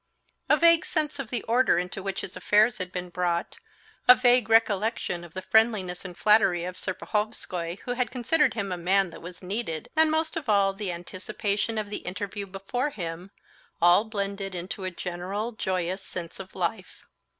A vague sense of the order into which his affairs had been brought, a vague recollection of the friendliness and flattery of Serpuhovskoy, who had considered him a man that was needed, and most of all, the anticipation of the interview before him—all blended into a general, joyous sense of life.